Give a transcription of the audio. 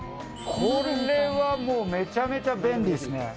これはもう、めちゃめちゃ便利ですね。